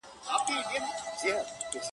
هغه به اور له خپلو سترګو پرېولي,